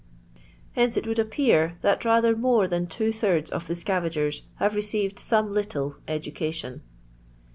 Hence it would appear, that rather more than two thirds of the scavagers have received some little education.